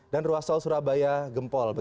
ruas tol surabaya gempol